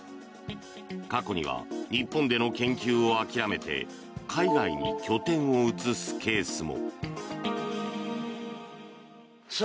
過去には日本での研究を諦めて海外に拠点を移すケースも。